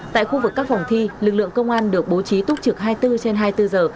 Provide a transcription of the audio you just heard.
tại khu vực các phòng thi lực lượng công an được bố trí túc trực hai mươi bốn trên hai mươi bốn giờ